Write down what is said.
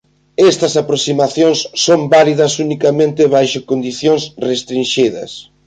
Estas aproximacións son válidas unicamente baixo condicións restrinxidas.